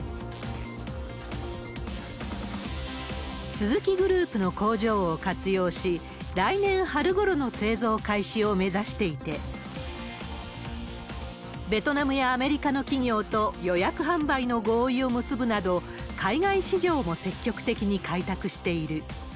スズキグループの工場を活用し、来年春ごろの製造開始を目指していて、ベトナムやアメリカの企業と予約販売の合意を結ぶなど、海外市場も積極的に開拓している。